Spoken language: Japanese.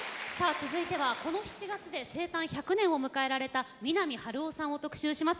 続いては、この７月で生誕１００年を迎えられた三波春夫さんを特集します。